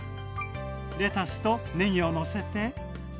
レタスとねぎをのせて。